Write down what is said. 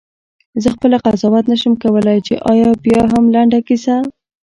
زه خپله قضاوت نه شم کولای چې آیا بیاهم لنډه کیسه؟ …